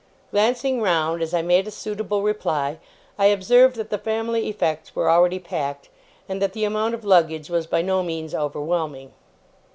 Glancing round as I made a suitable reply, I observed that the family effects were already packed, and that the amount of luggage was by no means overwhelming.